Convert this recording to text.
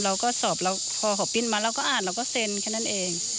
เราก็สอบเราพอเขาปิ้นมาเราก็อ่านเราก็เซ็นแค่นั้นเอง